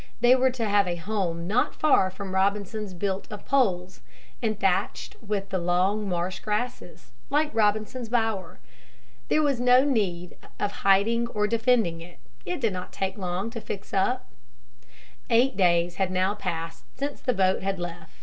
They were to have a home not far from Robinson's built of poles, and thatched with the long marsh grasses, like Robinson's bower. There was no need of hiding or defending it. It did not take long to fix it up. Eight days had now passed since the boat had left.